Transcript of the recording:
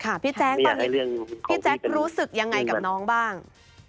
พี่แจ๊คตอนนี้พี่แจ๊ครู้สึกยังไงกับน้องบ้าง